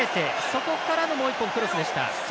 そこからのもう１本クロスでした。